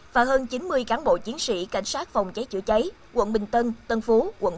và hơn chín mươi cán bộ chiến sĩ cảnh sát phòng cháy chữa cháy quận bình tân tp hcm quận sáu